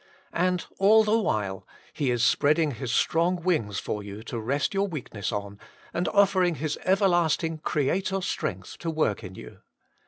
And all the while He is spreading His strong wings for you to rest your weakness on, and offering His everlasting Creator strength to work in you.